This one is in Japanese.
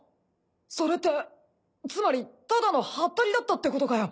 それってつまりただのハッタリだったってことかよ。